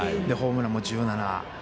ホームランも１７。